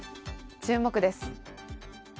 注目です。